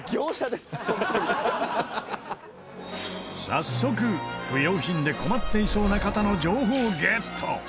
早速不要品で困っていそうな方の情報ゲット！